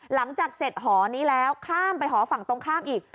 หลังจากเสร็จหอนี้แล้วข้ามไปหอฝั่งตรงข้ามอีก